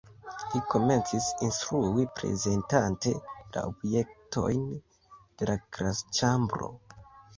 Li komencis instrui prezentante la objektojn de la klasĉambro.